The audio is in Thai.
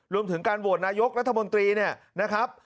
รวมถึงการโหวดนายกราธมนตรีนะครับ